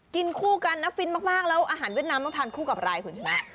คู่กันนะฟินมากแล้วอาหารเวียดนามต้องทานคู่กับอะไรคุณชนะ